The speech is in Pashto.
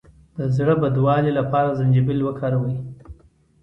د زړه بدوالي لپاره زنجبیل وکاروئ